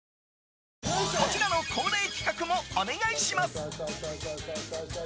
こちらの恒例企画もお願いします！